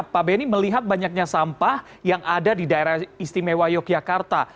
pak benny melihat banyaknya sampah yang ada di daerah istimewa yogyakarta